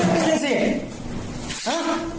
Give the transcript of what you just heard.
เมื่อกี้สิฮะ